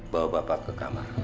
bawa bapak ke kamar